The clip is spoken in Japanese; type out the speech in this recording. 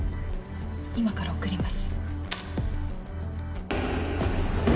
今から送ります。